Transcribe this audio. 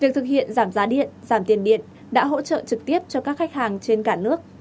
việc thực hiện giảm giá điện giảm tiền điện đã hỗ trợ trực tiếp cho các khách hàng trên cả nước